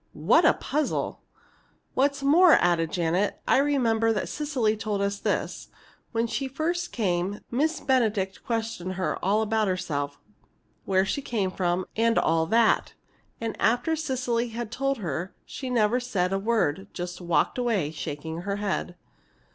What a puzzle!" "What's more," added Janet, "I remember that Cecily told us this: when she first came, Miss Benedict questioned her all about herself where she came from, and all that. And after Cecily had told her she never said a word, but just walked away, shaking her head."